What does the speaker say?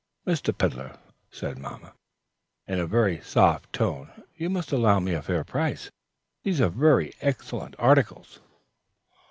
"Mr. Peddler," said mamma, in a very soft tone, "you must allow me a fair price; these are very excellent articles."